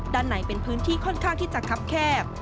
ด้านไหนเป็นพื้นที่ค่อนข้างที่จะคับแคบ